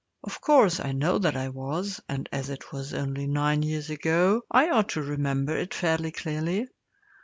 Of course, I know that I was, and as it was only nine years ago I ought to remember it fairly clearly.